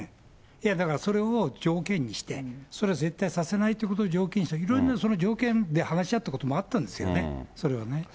いや、だからそれを条件にして、それは絶対にさせないということを条件に、いろいろな条件で話し合ったこともあったんですよね、それはね。